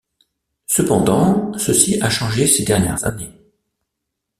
Cependant, ceci a changé ces dernières années.